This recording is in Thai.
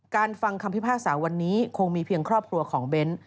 ฟังคำพิพากษาวันนี้คงมีเพียงครอบครัวของเบ้น